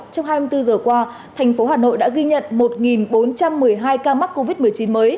trong hai mươi bốn giờ qua thành phố hà nội đã ghi nhận một bốn trăm một mươi hai ca mắc covid một mươi chín mới